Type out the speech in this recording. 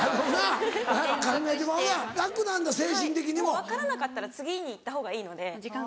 分からなかったら次に行ったほうがいいので。